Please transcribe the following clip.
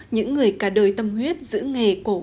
những người cả đời tâm huyết giữ nghề cổ